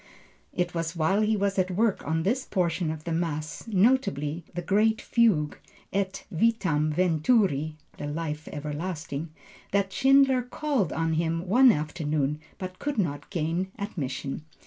It was while he was at work on this portion of the Mass, notably the great fugue, et vitam venturi (the life everlasting), that Schindler called on him one afternoon, but could not gain admission.